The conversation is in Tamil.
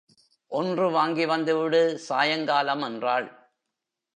ஒன்று வாங்கி வந்துவிடு சாயங்காலம் என்றாள்.